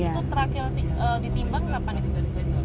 itu terakhir ditimbang kenapa ini digendong